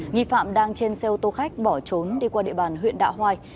nghị phạm đang trên xe ô tô khách bỏ trốn đi qua địa bàn huyện đạo hoài